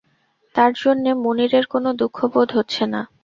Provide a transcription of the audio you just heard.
তার জন্যে মুনিরের কোনো দুঃখ বোধ হচ্ছে না।